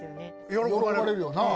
喜ばれるよな。